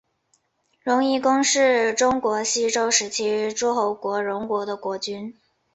荣夷公是中国西周时期诸侯国荣国的国君。